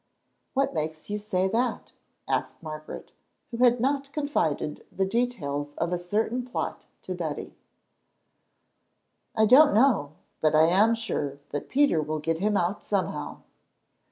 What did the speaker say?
"What makes you say that?" asked Margaret, who had not confided the details of a certain plot to Betty. "I don't know, but I am sure that Peter will get him out somehow.